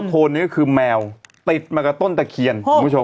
โทนนึงคือแมวติดมากระต้นตะเคียน